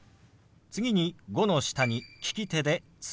次「５」の下に利き手で「月」。